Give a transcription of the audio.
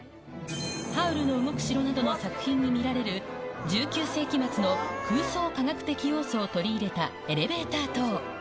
ハウルの動く城などの作品に見られる１９世紀末の空想科学的要素を取り入れたエレベーター塔。